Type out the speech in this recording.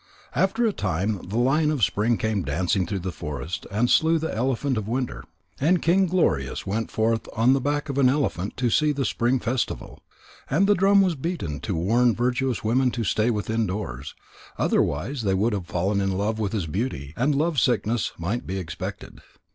After a time the lion of spring came dancing through the forest and slew the elephant of winter. And King Glorious went forth on the back of an elephant to see the spring festival. And the drum was beaten to warn virtuous women to stay within doors. Otherwise they would have fallen in love with his beauty, and love sickness might be expected.